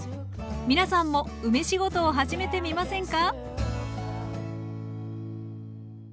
皆さんも「梅仕事」を始めてみませんか？